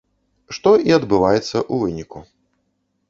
Што і адбываецца ў выніку.